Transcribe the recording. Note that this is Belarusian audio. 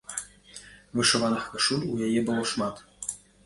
Вышываных кашуль у яе было шмат.